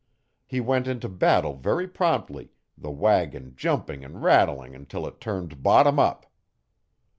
He went into battle very promptly, the wagon jumping and rattling until it turned bottom up.